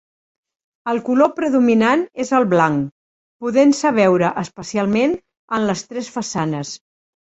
El color predominant és el blanc, podent-se veure especialment en les tres façanes.